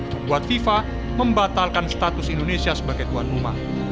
membuat fifa membatalkan status indonesia sebagai tuan rumah